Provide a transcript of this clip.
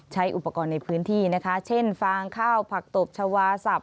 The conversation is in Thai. ใช้อุปกรณ์ในพื้นที่นะคะเช่นฟางข้าวผักตบชาวาสับ